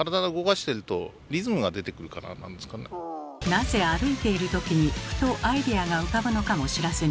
なぜ歩いているときにふとアイデアが浮かぶのかも知らずに。